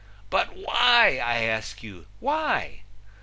But, why? I ask you, why?